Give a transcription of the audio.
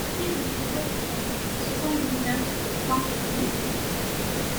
six rue des Bois de Fonzay, soixante-dix-neuf, cent, Missé